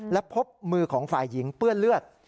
และพบมือของฝ่ายหญิงเปื้อนเลือด